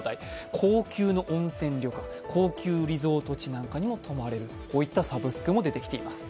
高級の温泉旅館、高級リゾート地なんかにも泊まれるこういったサブスクも出ています。